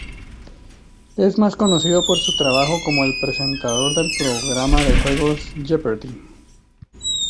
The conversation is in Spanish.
Es más conocido por su trabajo como el presentador del programa de juegos "Jeopardy!